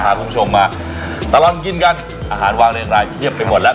พาคุณผู้ชมมาตลอดกินกันอาหารวางเรียงรายเพียบไปหมดแล้ว